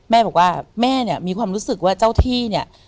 แม่บอกว่าแม่เนี่ยมีความรู้สึกว่าเจ้าที่เนี่ย